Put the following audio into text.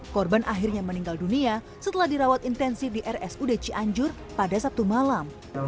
korban akhirnya meninggal dunia setelah dirawat intensif di rs udeci anjur pada sabtu malam yang